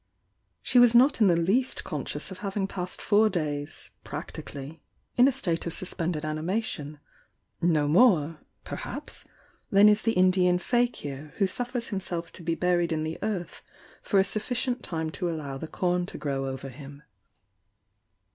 She was not in the least conscious of having passed four days, practi cally, in a state of suspended animation, no more, perhaps, Uian is the Indian fakir who suffers himself to be buried in the earth for a sufficient time to allow the com to grow over him.